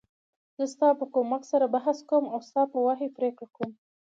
زه ستا په کومک سره بحث کوم او ستا په وحی پریکړه کوم .